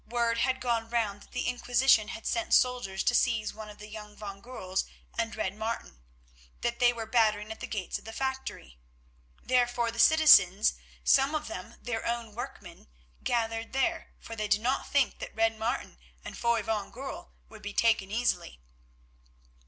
Word had gone round that the Inquisition had sent soldiers to seize one of the young Van Goorls and Red Martin—that they were battering at the gates of the factory. Therefore the citizens, some of them their own workmen, gathered there, for they did not think that Red Martin and Foy van Goorl would be taken easily.